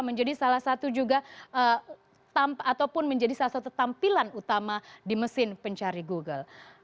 menjadi salah satu juga ataupun menjadi salah satu tampilan utama di mesin pencari google